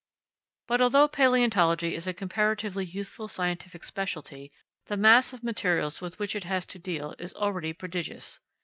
But, although palaeontology is a comparatively youthful scientific speciality, the mass of materials with which it has to deal is already prodigious.